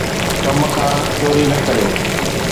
ڪم کان چوري نه ڪريو.